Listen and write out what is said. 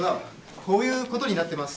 こういうことになってます